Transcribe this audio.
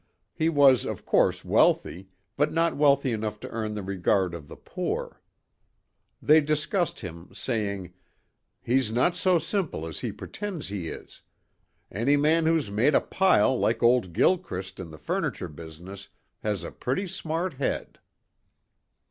He was, of course, wealthy but not wealthy enough to earn the regard of the poor. They discussed him, saying, "He's not so simple as he pretends he is. Any man who's made a pile like old Gilchrist in the furniture business has a pretty smart head."